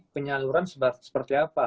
penyaluran seperti apa